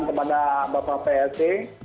kepada bapak plt